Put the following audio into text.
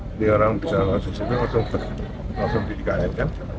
jadi orang bisa masuk sini langsung ke ikn kan